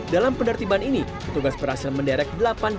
dalam penertiban ini petugas berhasil menderek delapan